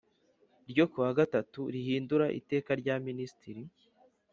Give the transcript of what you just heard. ryo ku wa gatatu rihindura Iteka rya Minisitiri